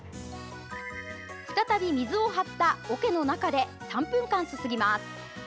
再び水を張ったおけの中で３分間すすぎます。